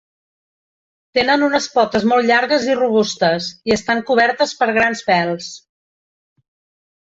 Tenen unes potes molt llargues i robustes, i estan cobertes per grans pèls.